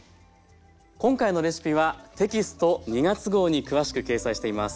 今回のレシピはテキスト２月号に詳しく掲載しています。